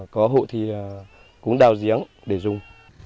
có hộ thì cũng đào giếng để dùng